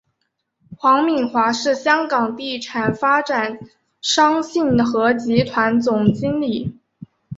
黄敏华是香港地产发展商信和集团总经理。